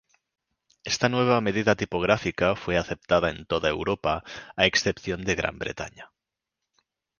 Esta nueva medida tipográfica fue aceptada en toda Europa a excepción de Gran Bretaña.